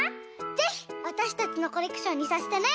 ぜひわたしたちのコレクションにさせてね。